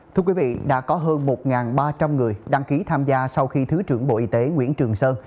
thưa quý vị đã có hơn một ba trăm linh người đăng ký tham gia sau khi thứ trưởng bộ y tế nguyễn trường sơn